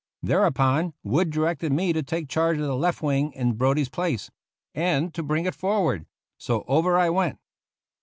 Thereupon, Wood directed me to take charge of the left wing in Brodie's place, and to bring it forward ; so over I went.